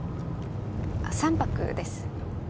３泊です。